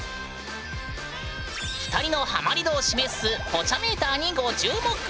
２人のハマり度を示すポチャメーターにご注目！